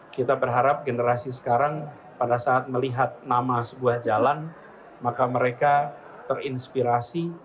kita berharap generasi sekarang pada saat melihat nama sebuah jalan maka mereka terinspirasi